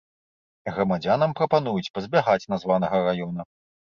Грамадзянам прапануюць пазбягаць названага раёна.